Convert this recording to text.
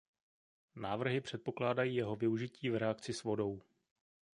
Návrhy předpokládají jeho využití v reakci s vodou.